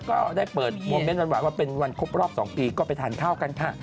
ก็ได้เปิดโมเมนต์หวานว่าเป็นวันครบรอบ๒ปีก็ไปทานข้าวกันค่ะ